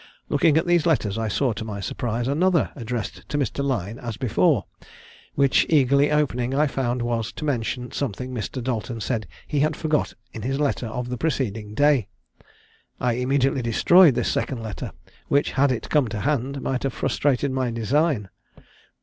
Looking at these letters, I saw, to my surprise, another addressed to Mr. Lyne as before, which, eagerly opening, I found was to mention something Mr. Dalton said he had forgot in his letter of the preceding day. I immediately destroyed this second letter, which, had it come to hand, might have frustrated my design.